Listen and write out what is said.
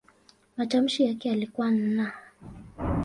Matamshi yake yalikuwa "n".